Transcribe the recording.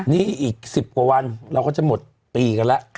นี่อีก๑๐กว่าวันเราก็จะหมดปีกันแล้ว